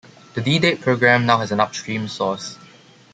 The ddate program now has an upstream source.